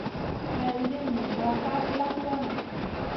Hay wulini nina ka ɓlak wanaʼ.